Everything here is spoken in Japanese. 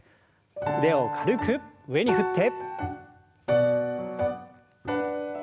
腕を軽く上に振って。